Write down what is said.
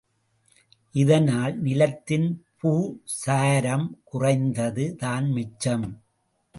இதனால் நிலத்தின் பூசாரம் குறைந்தது தான் மிச்சம்.